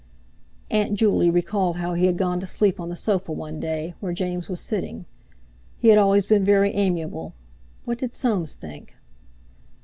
Aunt Juley recalled how he had gone to sleep on the sofa one day, where James was sitting. He had always been very amiable; what did Soames think?